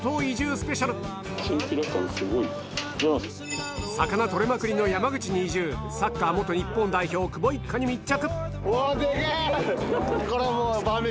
スペシャル魚取れまくりの山口に移住サッカー日本代表久保一家に密着！